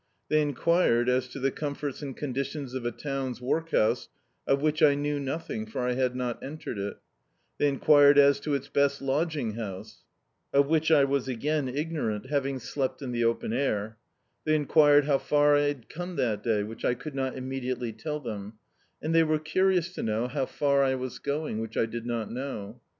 They enquired as to the comforts and cmdidons of a town's workhouse, of which I knew nothing, for I had not entered it They enquired as to its best lodging house, of which I was again ignorant, Do.icdt, Google The Autobiography of a Super Tramp having slept in the open air. They enquired how far I had come that day, which I could not imme diately tell them; and diey were curious to know how far I was going, which I did not know.